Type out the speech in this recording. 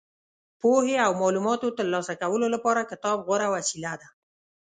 پوهې او معلوماتو ترلاسه کولو لپاره کتاب غوره وسیله ده.